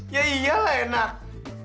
ya iyalah enak